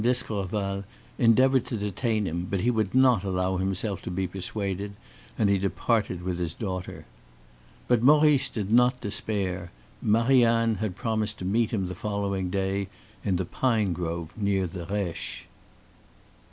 d'Escorval endeavored to detain him, but he would not allow himself to be persuaded, and he departed with his daughter. But Maurice did not despair; Marie Anne had promised to meet him the following day in the pine grove near the Reche.